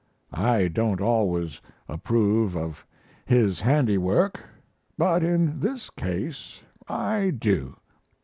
I don't always approve of His handiwork, but in this case I do."